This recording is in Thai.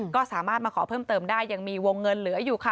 ก็สามารถมาขอเพิ่มเติมได้ยังมีวงเงินเหลืออยู่ค่ะ